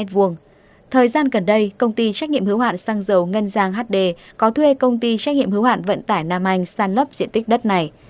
thời gian gần đây công ty trách nhiệm hữu hạn xăng dầu ngân giang hd có thuê công ty trách nhiệm hữu hạn vận tải nam anh san lấp diện tích đất này